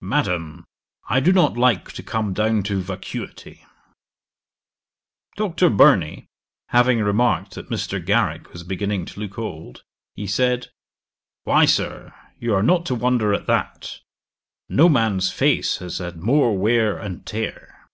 "Madam, I do not like to come down to vacuity."' 'Dr. Burney having remarked that Mr. Garrick was beginning to look old, he said, "Why, Sir, you are not to wonder at that; no man's face has had more wear and tear."'